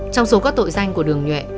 trong số các tội danh của đường nhuệ